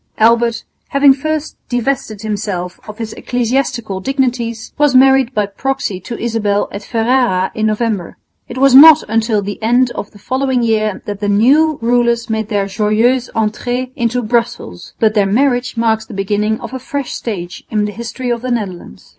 Albert, having first divested himself of his ecclesiastical dignities, was married by proxy to Isabel at Ferrara in November. It was not until the end of the following year that the new rulers made their joyeuse entrée into Brussels, but their marriage marks the beginning of a fresh stage in the history of the Netherlands.